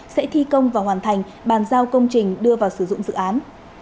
sẽ thi công và hoàn thành bàn giao công trình đưa vào sử dụng dự án